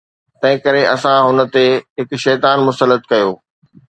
تنهنڪري اسان هن تي هڪ شيطان مسلط ڪيو